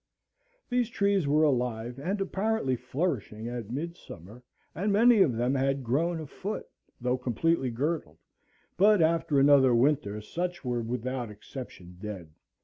These trees were alive and apparently flourishing at mid summer, and many of them had grown a foot, though completely girdled; but after another winter such were without exception dead.